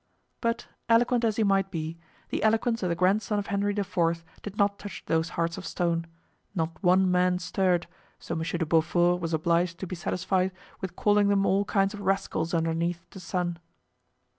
But eloquent as he might be, the eloquence of the grandson of Henry IV. did not touch those hearts of stone; not one man stirred, so Monsieur de Beaufort was obliged to be satisfied with calling them all kinds of rascals underneath the sun.